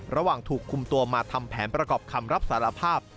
ระหว่างถูกคุมตัวมาทำแผนประกอบคำรับสารภาพ